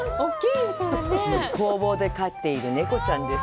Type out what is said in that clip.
工房で飼っている猫ちゃんです。